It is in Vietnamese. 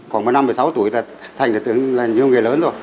khoảng một mươi năm một mươi sáu tuổi là thành là nhiều người lớn rồi